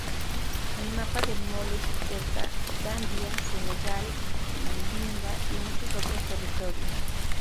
El mapa de Moll etiqueta Gambia, Senegal, Mandinga, y muchos otros territorios.